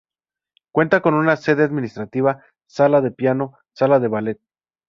Cuenta con una sede administrativa, sala de piano, sala de ballet.